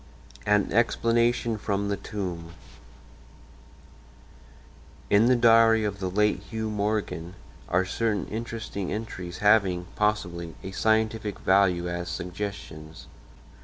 IV AN EXPLANATION FROM THE TOMB In the diary of the late Hugh Morgan are certain interesting entries having, possibly, a scientific value as suggestions.